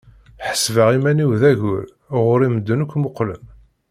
Ḥesbeɣ iman-iw d ayyur, ɣur-i medden akk mmuqlen.